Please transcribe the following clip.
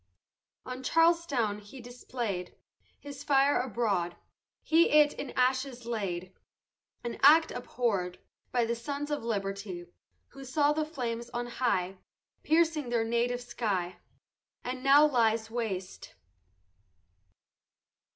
On Charlestown he display'd His fire abroad; He it in ashes laid, An act abhorr'd By sons of liberty, Who saw the flames on high Piercing their native sky, And now lies waste.